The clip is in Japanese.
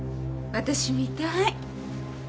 私見たい！